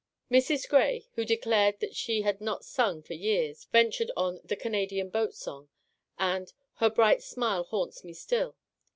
Mrs. Grey, who de clared she had not sung for years, ventured on "The Canadian Boat Song" and " Her bright smile haunts me still."